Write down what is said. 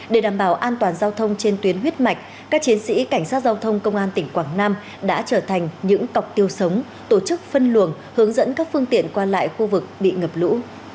để đảm bảo an toàn giao thông trên tuyến huyết mạch các chiến sĩ cảnh sát giao thông công an tỉnh quảng nam đã trở thành những cọc tiêu sống tổ chức phân luồng hướng dẫn các phương tiện qua lại khu vực bị ngập lũ